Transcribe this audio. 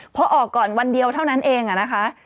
พอออกก่อนวันเดียวเท่านั้นเองนะคะ